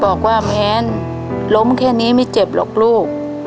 บอกว่าแมนล้มแค่นี้ไม่เจ็บหรอกลูก